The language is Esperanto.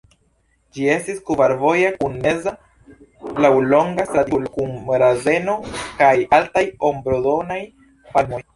Ĝi estis kvarvoja kun meza laŭlonga stratinsulo kun razeno kaj altaj ombrodonaj palmoj.